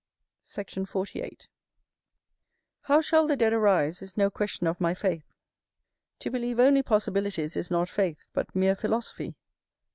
Sect. 48. How shall the dead arise, is no question of my faith; to believe only possibilities is not faith, but mere philosophy.